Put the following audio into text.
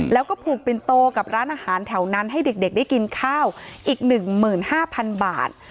แล้วก็ผูกปินโตกับร้านอาหารแถวนั้นให้เด็กได้กินข้าวอีก๑๕๐๐๐บาท